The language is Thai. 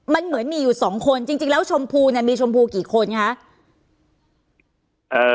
มันเหมือนมีอยู่สองคนจริงแล้วชมพูเนี่ยมีชมพูกี่คนคะ